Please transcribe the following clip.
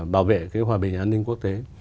bảo vệ cái hòa bình an ninh quốc tế